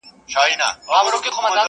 چي یې منع کړي له غلا بلا وهلی.